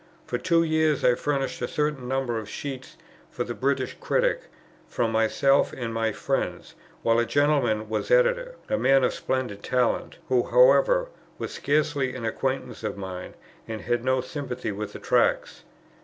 For two years I furnished a certain number of sheets for the British Critic from myself and my friends, while a gentleman was editor, a man of splendid talent, who, however, was scarcely an acquaintance of mine, and had no sympathy with the Tracts.